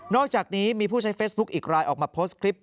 อกจากนี้มีผู้ใช้เฟซบุ๊คอีกรายออกมาโพสต์คลิป